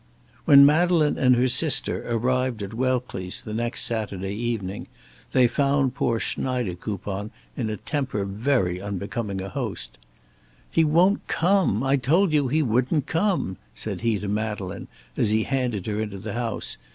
When Madeleine and her sister arrived at Welckley's 's the next Saturday evening, they found poor Schneidekoupon in a temper very unbecoming a host. "He won't come! I told you he wouldn't come!" said he to Madeleine, as he handed her into the house.